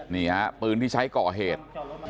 นี่ฮะปืนที่ใช้ก่อเหตุ